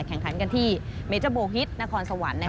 แข่งขันกันที่เมเจอร์โบฮิตนครสวรรค์